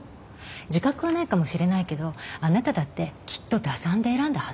自覚はないかもしれないけどあなただってきっと打算で選んだはずよ。